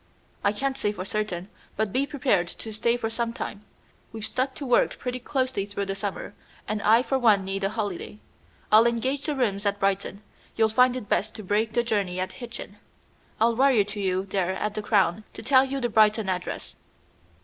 "I can't say for certain, but be prepared to stay for some time. We've stuck to work pretty closely through the summer, and I for one need a holiday. I'll engage the rooms at Brighton. You'll find it best to break the journey at Hitchin. I'll wire to you there at the Crown to tell you the Brighton address."